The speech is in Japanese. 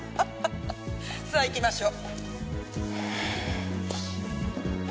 さあ行きましょう。